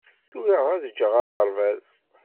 Tura ad ǧǧeɣ aɣerbaz